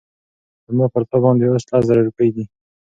زما پر تا باندي اوس لس زره روپۍ دي